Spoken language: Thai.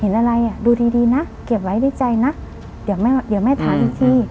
อะไรอ่ะดูดีดีนะเก็บไว้ในใจนะเดี๋ยวแม่เดี๋ยวแม่ถามอีกที